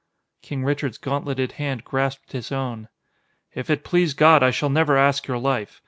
King Richard's gauntleted hand grasped his own. "If it please God, I shall never ask your life.